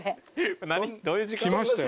きましたよ